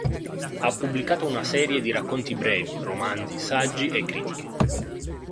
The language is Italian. Ha pubblicato una serie di racconti brevi, romanzi, saggi e critiche.